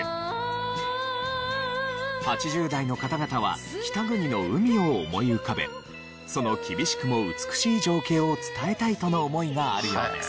８０代の方々は北国の海を思い浮かべその厳しくも美しい情景を伝えたいとの思いがあるようです。